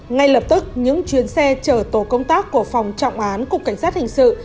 ngay lập tức những chuyến xe chở tổ công tác của phòng trọng án cục cảnh sát hình sự